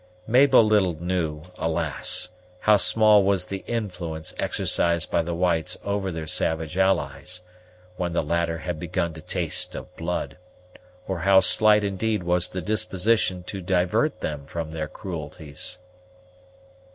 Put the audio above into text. Mabel little knew, alas! how small was the influence exercised by the whites over their savage allies, when the latter had begun to taste of blood; or how slight, indeed, was the disposition to divert them from their cruelties.